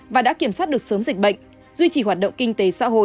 và đã kiểm soát được sớm dịch bệnh duy trì hoạt động kinh tế xã hội